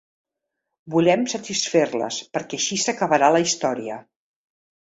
Volem satisfer-les perquè així s'acabarà la història.